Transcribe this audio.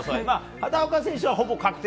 畑岡選手はほぼ確定。